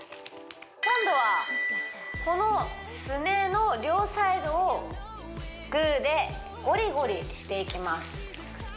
今度はこのスネの両サイドをグーでごりごりしていきます